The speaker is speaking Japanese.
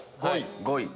５位。